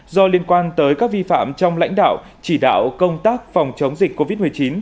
do liên quan tới các vi phạm trong lãnh đạo chỉ đạo công tác phòng chống dịch covid một mươi chín